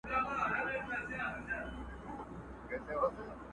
دوې میاشتي مو وتلي دي ریشتیا په کرنتین کي.!